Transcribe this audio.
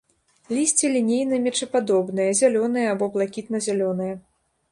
Лісце лінейна-мечападобнае, зялёнае або блакітна-зялёнае.